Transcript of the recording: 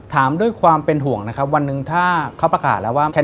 โทษคุยกันตลอดเวลาไม่ได้มีการขาดแชง